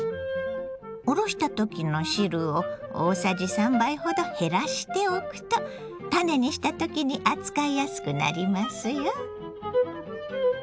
おろした時の汁を大さじ３杯ほど減らしておくとたねにした時に扱いやすくなりますよ。